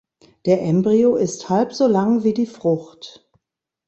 Der Embryo ist halb so lang wie die Frucht.